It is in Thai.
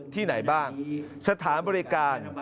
ที่ไหนบ้างสถานบริการ